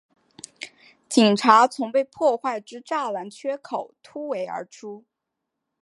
警察从被破坏之栅栏缺口突围而出